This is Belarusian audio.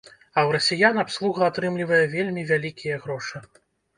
А ў расіян абслуга атрымлівае вельмі вялікія грошы.